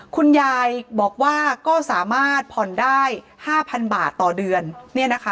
คุณยายบอกว่าก็สามารถผ่อนได้๕๐๐๐บาทต่อเดือนเนี่ยนะคะ